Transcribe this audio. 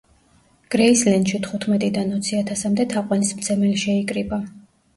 გრეისლენდში თხუტმეტიდან ოცი ათასამდე თაყვანისმცემელი შეიკრიბა.